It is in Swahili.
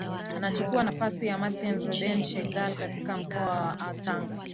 Anachukua nafasi ya Martin Reuben Shigella katika mkoa wa Tanga